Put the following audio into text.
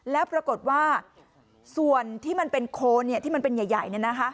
แล้วปรากฏว่าส่วนที่มันเป็นโคนที่มันเป็นใหญ่